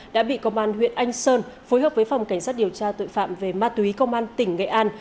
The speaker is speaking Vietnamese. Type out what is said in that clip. đã bị công an huyện anh sơn phối hợp với phòng cảnh sát điều tra tội phạm về ma túy công an tỉnh nghệ an